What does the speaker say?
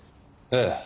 ええ。